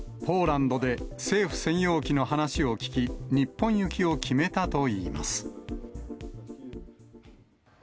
ポーランドで政府専用機の話を聞き、日本行きを決めたといいます。